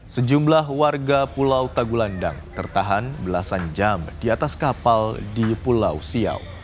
sejumlah warga pulau tagulandang tertahan belasan jam di atas kapal di pulau siau